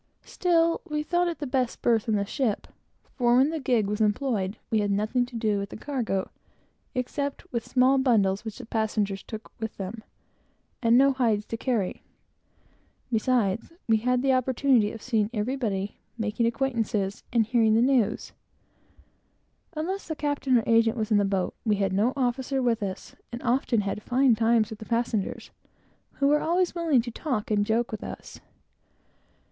Still, we thought it the best berth in the ship; for when the gig was employed, we had nothing to do with the cargo, except small bundles which the passengers carried with them, and no hides to carry, besides the opportunity of seeing everybody, making acquaintances, hearing the news, etc. Unless the captain or agent were in the boat, we had no officer with us, and often had fine times with the passengers, who were always willing to talk and joke with us.